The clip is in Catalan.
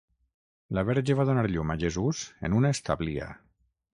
La Verge va donar llum a Jesús en una establia.